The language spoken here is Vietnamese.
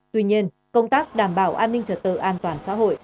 tuy nhiên công tác đảm bảo an ninh trật tự an toàn xã hội